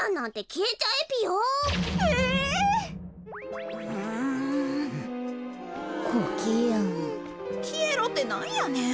きえろってなんやねん。